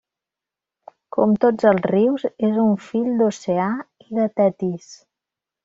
Com tots els rius, és un fill d'Oceà i de Tetis.